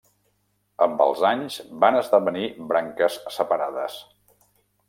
Amb els anys van esdevenir branques separades.